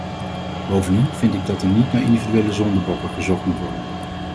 Bovendien vind ik dat er niet naar individuele zondebokken gezocht moet worden.